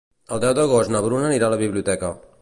El deu d'agost na Bruna anirà a la biblioteca.